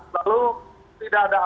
lalu tidak ada alam